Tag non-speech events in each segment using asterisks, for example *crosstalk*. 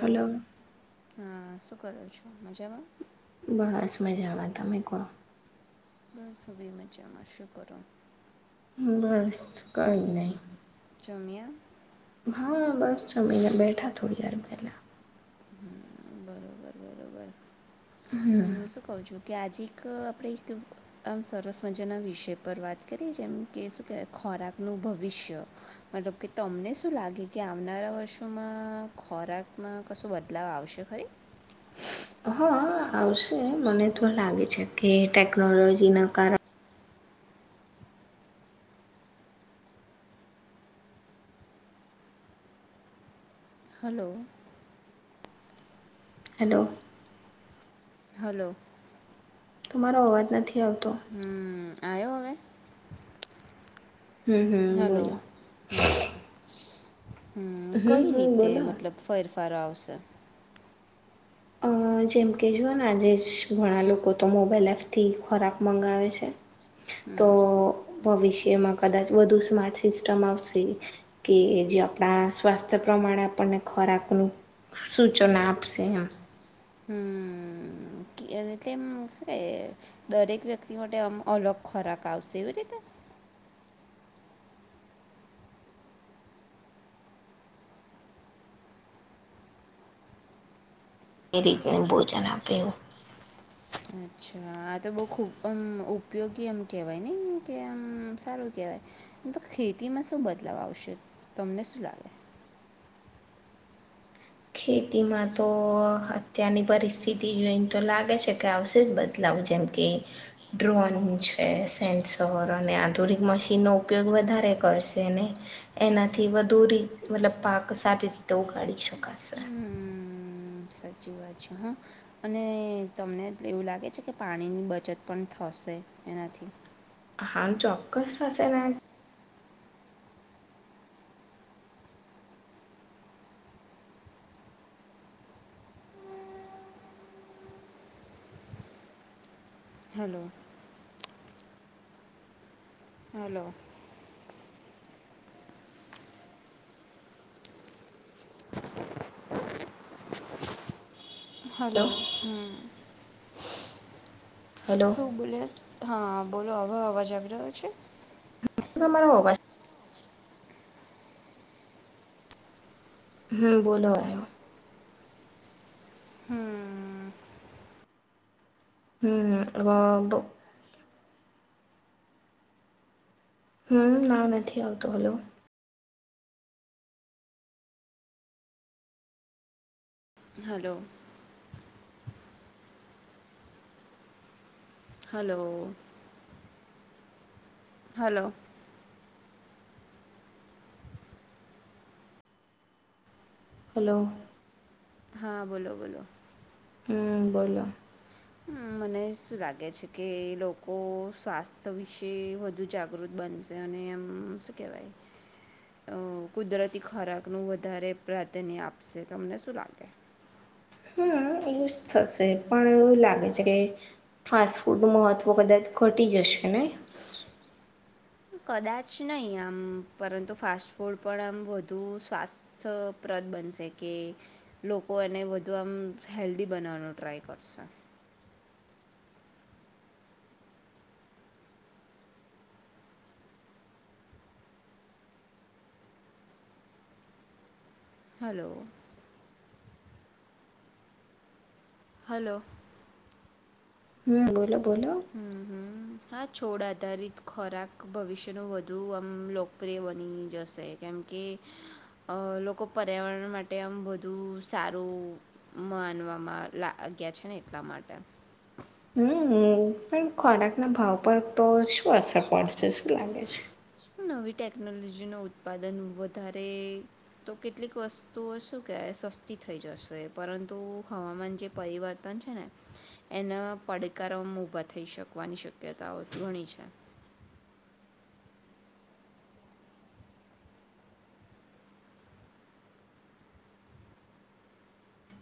Hello! હા શું કરો છો, મજામાં? બસ મજામાં, તમે કો? બસ હવે મજામાં, શું કરો? બસ કઈ નહી. જમ્યા. હા બસ છ મહિના બેઠા થોડી વાર પહેલા. બરોબર બરોબર, હમ હું શું કઉ છું કે આજે એક આપણે એક આમ સરર્વસ મજાના વિષય પર વાત કરીએ જેમ કહે શું કેહેવાય આ ખોરાકનું ભવિષ્ય, મતલબ કે તમને શું લાગે કે આવનારા વર્ષોમાં ખોરા ખોરાકમાં કશો બદલાવ આવશે ખરી? હા આવશે મને તો લાગે છે કે ટેકનોલોજી ના કારણે હલો હલો હલો તમારો અવાજ નથી આવતો હમ આયોયોવે હમ હમ બોલો હમ કઈ હમ રીતે બોલો મતલબ ફેરફાર આવશે અ *inaudible* જેમ કે જુઓ ને આજે જ ઘણા લોકો તો મોબાઈલ એપ થી ખોરાક મંગાવે છે તો હમ ભવિષ્યમાં કદાચ વધુ સ્માર્ટ સિસ્ટમ આવશે કે જે આપણા સ્વાસ્થ્ય પ્રમા આપણને ખોરાક નું સૂચન આપશે એમ હમ લે એમ દરેક વ્યક્તિ માટે આમ અલગ ખોરાક આવશે એવી રીતે *inaudible* એ રીતનું ભોજન આપેવું અચ્છા આ તો બહુ ખૂબ ઉપયોગી એમ કહેવાય ને કે આમ સારું કહેવાય તો ખેતીમાં શું બદલાવ આવશે તમને શું લાગે ખેતીમાં તો અત્યારની પરિસ્થિતિ જોઈને તો લાગે છે કે આવશે જ બદલાવ જેમ કે ડ્રોન છે સેન્સર અને આધુનિક મશીન નો ઉપયોગ વધારે કરશે ને એનાથી વધુ મતલબ પાક સારી રીતે ઉગાળ શકો કાશે હમ્મ. સાચી વાત છે હા અને તમને એવું લાગે છે કે પાણીની બચત પણ થશે એનાથી હા ચોક્કસ થશે ને હલો હલો હલો હ હલો શું બોલે હા બોલો હો અવાજ આવી રહ્યો છે તમારે હોગ હમ બોલો આવ્યો. હમ. હમ અ તો હમ ના નથી આવતો hello hello. Hello. Hello. Hello. હા બોલો બોલો. હમ બોલો. હમ મને શું લાગે છે કે લોકો સ્વાસ્થ્ય વિશે વધુ જાગૃત બ પંજ અને એમ શું કેવાય અ કુદરતી ખોરાકનું વધારે પ્રાધાન્ય આપશે તમને શું લાગે હમ એવું જ થશે પણ એવું લાગે છે કે ફાસ્ટ ફૂડ ન મહત્વ કદાચ ઘટી જશે ને *inaudible* કદાચ નહી આમ પરંતુ ફાસ્ટ ફૂડ પણ આમ વધુ સ્વાસ્થ્યપદ બનશે કે લોકો એને વધુ આમ હેલ્ધી બનાવવાનું ટ્રાય કરશે હલો. હલો. હમ બોલો બોલો હમ હમ હા છોડ આધારિત ખોરાક ભવિષ્યનું વધુ આમ લો કરે બની જશે. કેમ કે અ લોકો પર્યાવરણ માટે આમ બધું સારું માનવામાં લ ગયા છે ને એટલા માટે હમ હમ. પણ ખોરાક ના ભાવ પર તો શું અસર પડશે શું લાગે છે. નવી ટેકનોલોજી ન ઉત્પાદન વધારે તો કેટલીક વસ્તુઓ શું કહે સસ્તી થઈ જશે પરંતુ હવામાન જે પરિવર્તન છે ને એને પડ કારવામાં ઉભા થઈ શકવાની શક્યતાઓ ઘણી છે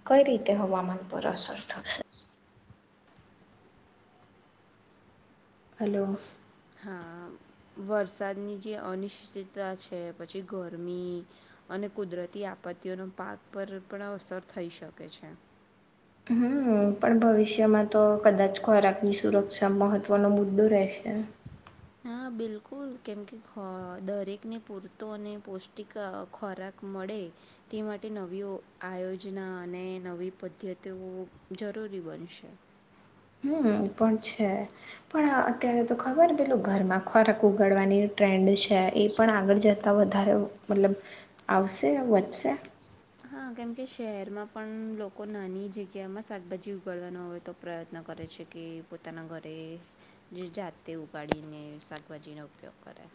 કઈ રીતે હવામાન પર અસર થશે હલો. હા વરસાદની જે અનિશ્ચિતતા છે પછી ગરમી અને કુદરતી આપત્તિઓનો પાક પર પણ અસર થઈ શકે છે હમ પણ ભવિષ્યમાં તો કદાચ ખોરાક ની સુરક્ષા મહત્વનો મુદ્દો રહેશે અ છેા *unintelligible* હા બિલકુલ કેમકે ખો દરેકને પૂરતો અને પૌષ્ટિક ખોરાક મળે તે માટે નવીઓ આયોજના અને નવી પદ્ધતિઓ જરૂર જરૃરી બનશે હમ એ પણ છે પણ અત્યારે તો ખબર પેલું ઘર માં ખોરાક ઉગાડવાની ટ્રેન્ડ છે એ પણ આગળ જતા વધારે મતલબ આવશે વધશે હા કેમકે શહેરમાં પણ લોકો નાની જગ્યામાં શાકભાજી ઉગાડવાનો હોય તો પ્રયત્ન કરે કરે છે કે પોતાના ઘરે જે જાતે ઉગાડીને શાકભાજીનો ઉપયોગ કરે હ.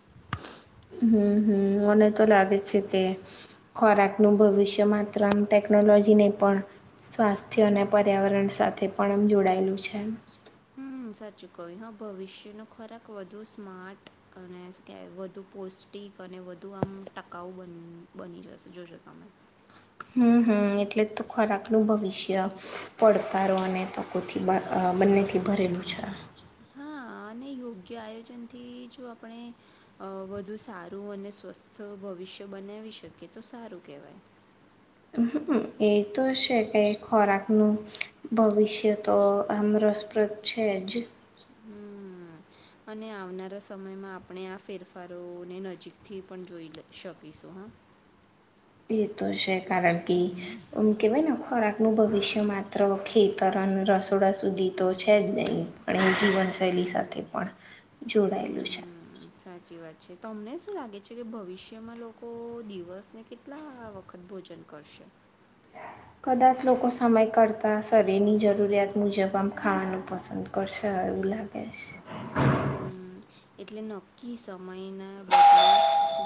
*inaudible* હમ હમ મને તો લાગે છે કે ખોરાક નું ભવિષ્ય માત્ર આમ ટેકનોલોજીને પણ સ્વાસ્થ્ય અને પર્યાવરણ સાથે પણ આમ જોડાયેલું છે હમ સાચું ક હા ભવિષ્ય ન ખોરાક વધુ સ્માર્ટ અને કે વધુ પો પુષ્ટિક અને વધુ આમ ટકાઉ બન બની જશે જોશો તમે- હમ *inaudible* હમ એટલે તો *unintelligible* ખોરાકનું ભવિષ્ય પડતારો અને તકોથી બ બંનેથી ભરેલું પૂછ હા અને યોગ્ય આયોજન થી જો આપણે અ વધુ સારું અને સ્વસ્થ ભવિષ્ય બનાવી શકીએ તો સારું કહેવાય. હ એ તો છે ક ખોરાકનું ભવિષ્ય તો આમ રસપ્રદ છે જ. *unintelligible* અને આવનારા સમયમાં આપણે આ ફેરફારોને નજીકથી પણ જોઈ શકીશ. સુંહ એ તો છે કારણ કે આમ કેવાય ને ખોરાક નું ભવિષ્ય માત્ર ખેત ઉતારણ રસોડા સુધી તો છે જ નહીં પણ એ જીવન શૈલી સાથે પણ. જોડાયેલું છે. હમ્મ, સાચી વાત છે તમને શું લાગે છે કે ભવિષ્યમાં લોકો દિવસને કેટલા વખત ભો જન કરશે. કદાચ લોકો સમય કરતા શરીરની જરૂરિયાત મુજબ આમ ખાવાનું પસંદ કરશે. એવુ લાગેશ હમ્મ. એટલે નક્કી સમયના બદલે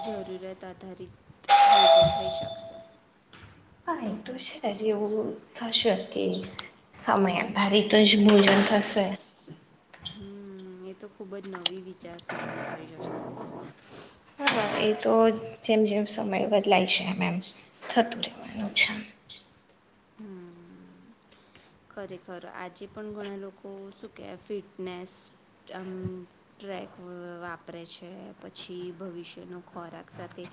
જરૂરિયાત આધારિત ભોજન થઈ શકશે. પણ એ તો છેજ એવું થશે કે સમયા આધારિત જ ભોજન થ શે. *unintelligible* હમ્મ એ તો ખુબ જ નવી વિચારસરણી થઈ જશે હા. હ એ તો જેમ જેમ સમય બદલાય છે એમે એમ. થતું રહેવાનું છ. હમ્મ. ખરેખર આજે પણ ઘણા લોકો શું કેહેવા ફિટનેસ આમ ટ્રેક વાપરે છે પછી ભવિષ્યનો ખોરાક સાથે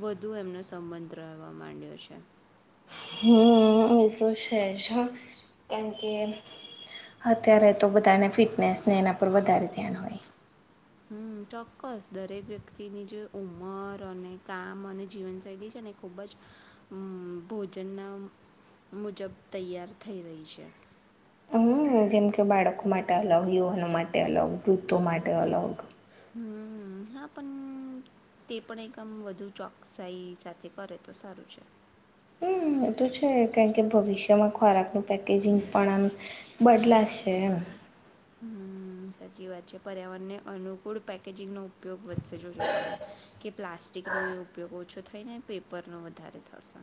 વધુ એમનો સમ મંત્ર રહેવા માંડ્યો છે. હમ્મ એતો છેજ કેમ કે અત્યારે તો બધાને ફિટનેસને એના પર વધારે ધ્યાન હોય. હમ્મ ચોક્કસ દરેક વ્યક્તિની જે ઉંમર અને કામ અને જીવનશૈલી છે ને ખૂબ જ ભોજનના મુજબ તૈયાર થઈ રહી છે. હમ્મ જેમ કે બાળકો માટે અલગ યુવાનો માટે અલગ વુ્ધો માટે અલગ. હમ્મ હા પણ તે પણ એકમ વધુ ચોકસાઈ સાથે કરે તો સારું છે. હમ એ તો છે કારણ કે ભવિષ્યમાં ખોરાકનું પેકેજિંગ પણ આમ બદલા છે એમ. હમ્મ સાચી વાત છે પર્યાવરણને અનુકૂળ પેકેજિંગ નો ઉપયોગ વચ્ચે જોજો તમે કે પ્લાસ્ટિકનો એ ઉપયોગ ઓછું થઈને પેપરનો વધારે થશે.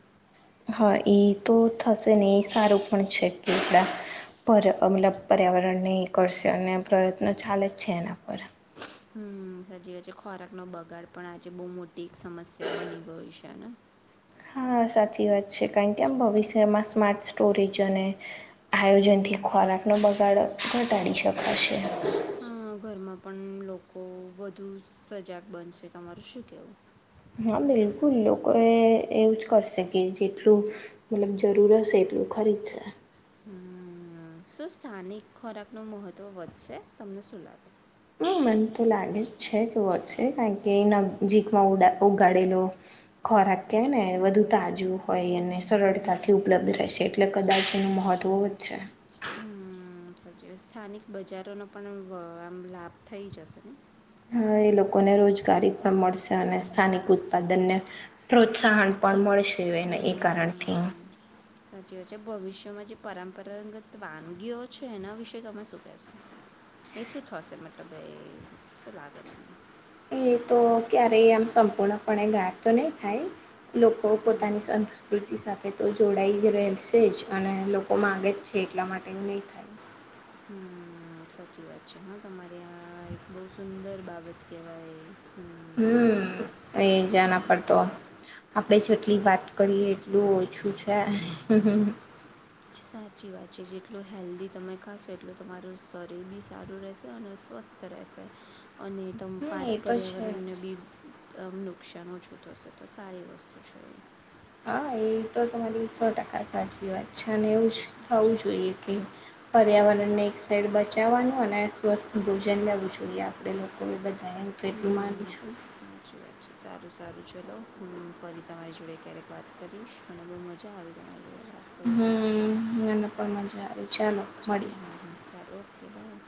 હા એ તો થશે ને એ સારું પણ છે કે આપડા પર મતલબ પર્યાવરણ ન કરળશે અને પ્રયત્નો ચાલે જ છે એના પર. હમ્મ સાચી વાત છે ખોરાકનોો બગાડ પણ આજે બહુ મોટી સમસ્યા બની ગઈ છેને. હા સાચી વાત છે કારણ કે આમ ભવિષ્યમાં સ્માર્ટ સ્ટોરેજ અને આયોજનથી ખોરાકનો બગાડ ઘટાડી શકાશે. હમ્મ ઘરમાં પણ લોકો વધુ સજાગ બનશે તમારું શું કેવું. હા બિલકુલ લોકો એ એવું જ કરશે કે જેટલું મતલબ જરૂર હશે. એટલું ખરીદ છે. હમ શું સ્થાનિક ખોરાક નું મહત્વ વધશે તમને શું લાગે હમ મને તો લાગે જ છે કેવો છે કારણ કે એના જીકમાં ઉગાડેલો ખોરાક ક નેુ તાજું હોય અને સરળતાથી ઉપલબ્ધ રહેશે એટલે કદાચ એનું મહત્વ વધશે હમ સાચી સ્થાનિક બજારોનો પણ આમ લાભ થઇ જશે ને એ લોકોને રોજગારી પણ મળશે અને સ્થાનિક ઉત્પાદનને પ્રોત્સાહન પણ મળશે એને એ કારણથી સાચી વાત છે ભવિષ્યમાં જે પરંપરાગત વાનગીઓ છે એના વિશે તમે શું કહેશો એ શું થશે મતલબ એ શું લાગે તમને એ તો ક્યારે આમ સંપૂર્ણપણે ઘાાય તો નહી થાય લોકો પોતાની સંસ્કૃતિ સાથે તો જોડાઈ રહેશે જ અને લોકો માગે જ છે એટલા માટે એ નહીં થાય હમ સાચી વાત છે હા તમારે આ એક બહુ સુંદર બાબત કેહેવાય હમ એ જના પડતો આપણે જેટલી વાત કરીએ એટલું ઓછું છે સાચી વાત છે જેટલું હેલ્ધી તમે ખાશો એટલું તમારું શરીર બી સારું રહેશે અને સ્વસ્થ સ્સ્થ રહેશે અને તમ એ તો છે પર્યાવરણને બી મ નુકસાન ઓછું થશે તો સારી વસ્તુ છે એ હા એ તો તમારી સો ટકા સાચી વાત છેા ને એવું જ થવું જોઈએ કે પર્યાવરણને એક સાઇડ બચાવવાનું અને સ્વસ્થ ભોજન લેવું જોઈએ આપણે લોકોને બધા એમ તો એટલું માનું હમ છું સાચી વાત છે સારું સારું ચલો હું ફરી તમારી જોડે ક્યારેક વાત કરીશ મને બહુ મજા આવી તમારી જોડે વાત કરીને આજે તો હમ મને પણ મજા આવી ચાલો મળીએ હમ સારું ઓકે બાય